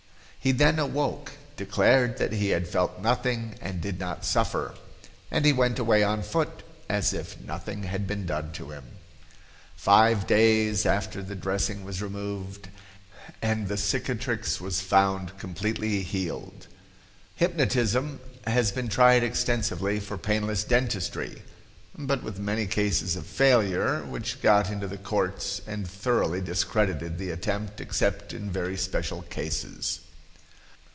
"He then awoke, declared that he had felt nothing and did not suffer, and he went away on foot, as if nothing had been done to him. "Five days after the dressing was removed and the cicatrix was found completely healed." Hypnotism has been tried extensively for painless dentistry, but with many cases of failure, which got into the courts and thoroughly discredited the attempt except in very special cases.